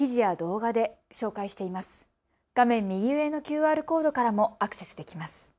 画面右上のＱＲコードからもアクセスできます。